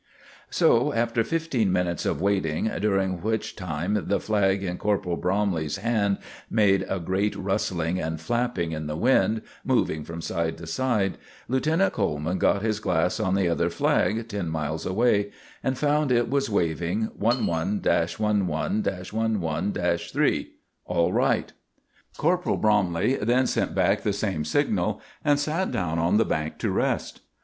So, after fifteen minutes of waiting, during which time the flag in Corporal Bromley's hand made a great rustling and flapping in the wind, moving from side to side, Lieutenant Coleman got his glass on the other flag, ten miles away, and found it was waving 11 11 11 3 "All right." Corporal Bromley then sent back the same signal, and sat down on the bank to rest.